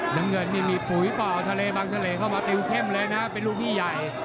น้ำเงินนี่มีปุ๋ยป่อทะเลบังสะเลเข้ามาติวเข้มเลยนะเป็นรูปใหญ่